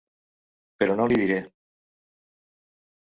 Però no l'hi diré.